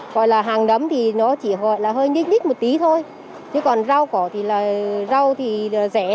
gọi là hàng đấm thì nó chỉ hơi nhích nhích một tí thôi nhưng còn rau cỏ thì rau thì rẻ